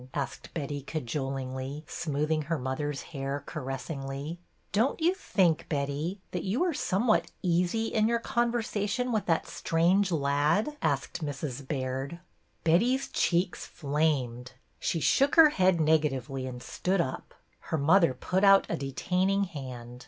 " asked Betty, cajolingly, smoothing her mother's hair caressingly. " Don't you think, Betty, that you were some what easy in your conversation with that strange lad?" asked Mrs. Baird. Betty's cheeks flamed. She shook her head negatively and stood up. Her mother put out a detaining hand.